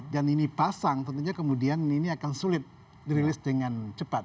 dan ini pasang tentunya kemudian ini akan sulit dirilis dengan cepat